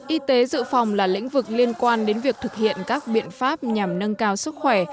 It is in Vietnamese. y tế dự phòng là lĩnh vực liên quan đến việc thực hiện các biện pháp nhằm nâng cao sức khỏe